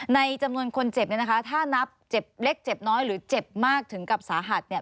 ในจำนวนคนเจ็บเนี่ยนะคะถ้านับเจ็บเล็กเจ็บน้อยหรือเจ็บมากถึงกับสาหัสเนี่ย